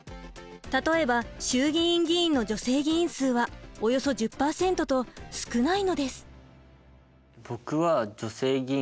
例えば衆議院議員の女性議員数はおよそ１０％と少ないのです。